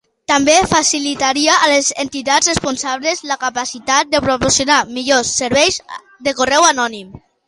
També facilitaria a les entitats responsables la capacitat de proporcionar millors serveis de correu anònim.